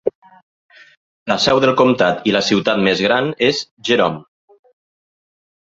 La seu del comtat i la ciutat més gran és Jerome.